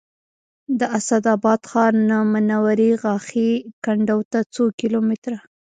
د اسداباد ښار نه منورې غاښي کنډو ته څو کیلو متره